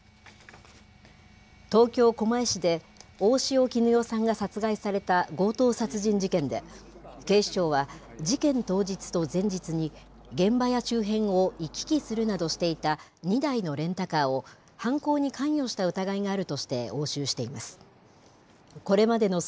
東京・狛江市で、大塩衣與さんが殺害された強盗殺人事件で、警視庁は、事件当日と前日に、現場や周辺を行き来するなどしていた２台のレンタカーを、犯行に関与した疑いがあるとして押収しています。